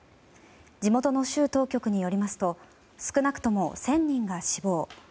地元の州当局によりますと少なくとも１０００人が死亡。